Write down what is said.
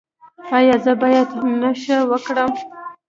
ایا زه باید نشه وکړم؟